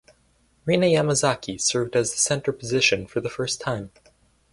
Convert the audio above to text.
Rena Yamazaki served as the center position for the first time.